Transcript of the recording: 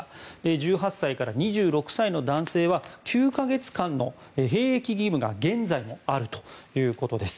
１８歳から２６歳の男性は９か月間の兵役義務が現在もあるということです。